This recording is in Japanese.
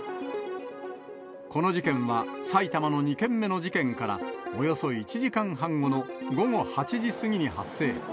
この事件は埼玉の２件目の事件からおよそ１時間半後の午後８時過ぎに発生。